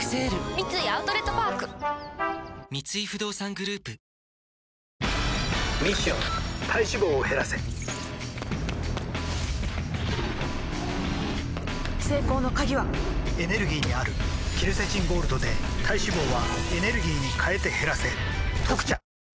三井アウトレットパーク三井不動産グループミッション体脂肪を減らせ成功の鍵はエネルギーにあるケルセチンゴールドで体脂肪はエネルギーに変えて減らせ「特茶」